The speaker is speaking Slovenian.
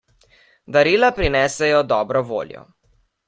Darila prinesejo dobro voljo.